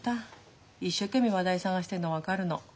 一生懸命話題探してるの分かるの。